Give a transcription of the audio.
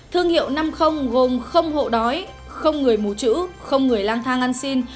thương hiệu năm gồm không hộ đói không người mù chữ không người lang thang ăn xin